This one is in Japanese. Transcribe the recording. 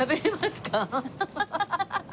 ハハハハハ。